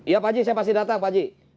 ya pakcik saya pasti datang pakcik